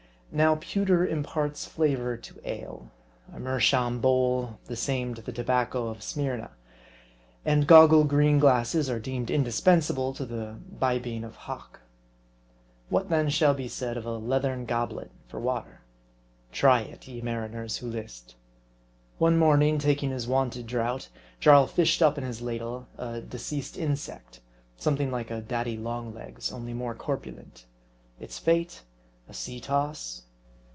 Now pewter imparts flavor to ale ; a Meerschaum bowl, the same to the tobacco of Smyrna ; and goggle green glasses are deemed indispensable to the bibbing of Hock. What then shall be said of a leathern goblet for water ? Try it, ye mariners who list. One morning, taking his wonted draught, Jarl fished up in his ladle a deceased insect ; something like a Daddy long legs, only more corpulent. Its fate ? A sea toss